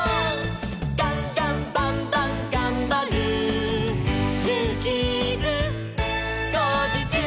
「ガンガンバンバンがんばる」「ジューキーズ」「こうじちゅう！」